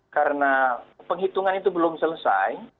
karena penghitungan itu belum selesai